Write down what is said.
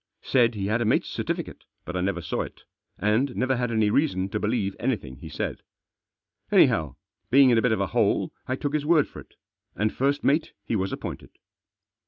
Said he had a mate's cer tificate, but I never saw it, and never had any reason to believe anything he said. Anyhow, being in a bit of a hole I took his word for it, and first mate he was appointed.